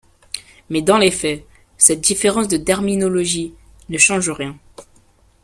Mais dans les faits, cette différence de terminologie ne change rien.